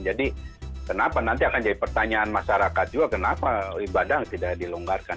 jadi kenapa nanti akan jadi pertanyaan masyarakat juga kenapa ibadah tidak dilonggarkan